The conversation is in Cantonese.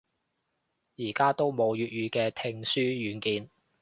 而家都冇粵語嘅聽書軟件